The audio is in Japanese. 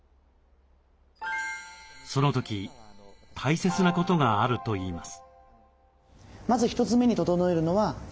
その時大切なことがあるといいます。